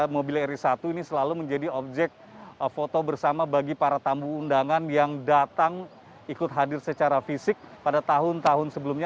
mobil ri satu ini selalu menjadi objek foto bersama bagi para tamu undangan yang datang ikut hadir secara fisik pada tahun tahun sebelumnya